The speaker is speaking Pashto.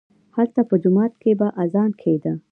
هلته په جومات کښې به اذان کېده.